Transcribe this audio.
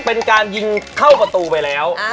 เป็นการยิงเข้าประตูไปแล้ว